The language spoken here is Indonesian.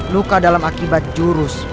luka dalam akibat jurus